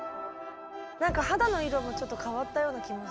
何か肌の色もちょっと変わったような気も。